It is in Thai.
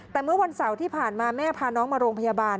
แต่เมื่อวันเสาร์ที่ผ่านมาแม่พาน้องมาโรงพยาบาล